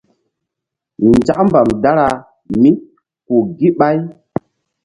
Nzak mbam dara míku gíɓay.